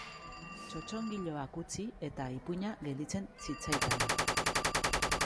Txotxongiloak utzi eta, ipuina gelditzen zitzaitan.